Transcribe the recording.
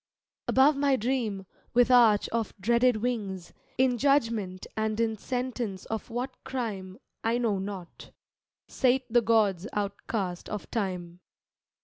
Above my dream, with arch of dreaded wings, In judgement and in sentence of what crime I know not, sate the gods outcast of time.